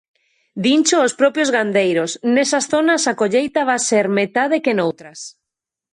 Dincho os propios gandeiros: Nesas zonas a colleita vai ser metade que noutras.